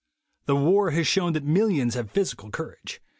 The war has shown that millions have physical courage.